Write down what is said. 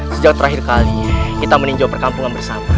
sejak terakhir kali kita meninjau perkampungan bersama